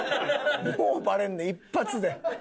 もうバレんねん一発で。